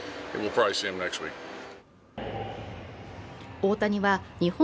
大谷は日本